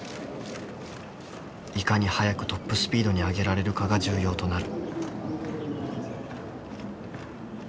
いかに早くトップスピードに上げられるかが重要となる。